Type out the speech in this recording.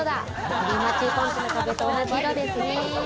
練馬駐屯地の壁と同じ色ですね。